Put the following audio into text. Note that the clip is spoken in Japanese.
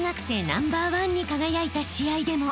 ナンバーワンに輝いた試合でも］